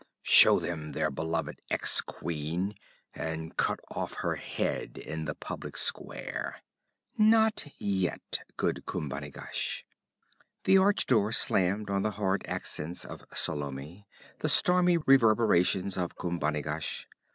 Show them their beloved ex queen and cut off her head in the public square!' 'Not yet, good Khumbanigash ' The arched door slammed on the hard accents of Salome, the stormy reverberations of Khumbanigash.